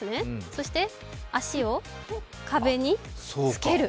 そして足を壁につける。